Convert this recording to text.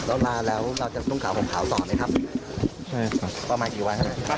วันนี้ถือว่าพวกคุณทางตั้งใจที่เราจะสืบอยู่นี้ค่ะ